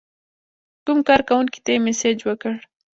کوم کارکونکي ته یې مسیج وکړ.